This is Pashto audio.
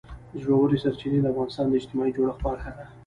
ژورې سرچینې د افغانستان د اجتماعي جوړښت برخه ده.